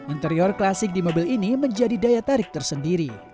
interior klasik di mobil ini menjadi daya tarik tersendiri